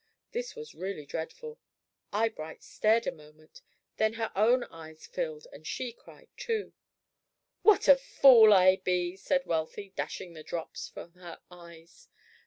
This was really dreadful. Eyebright stared a moment; then her own eyes filled, and she cried, too. "What a fool I be!" said Wealthy, dashing the drops from her eyes.